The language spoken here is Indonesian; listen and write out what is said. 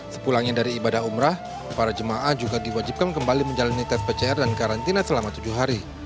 sepulangnya dari ibadah umrah para jemaah juga diwajibkan kembali menjalani tes pcr dan karantina selama tujuh hari